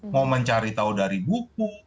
mau mencari tahu dari buku